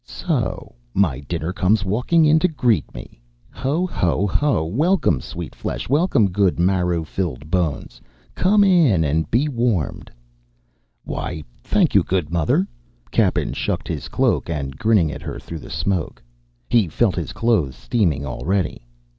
"So my dinner comes walking in to greet me, ho, ho, ho! Welcome, sweet flesh, welcome, good marrow filled bones, come in and be warmed." "Why, thank you, good mother." Cappen shucked his cloak and grinning at her through the smoke. He felt his clothes steaming already.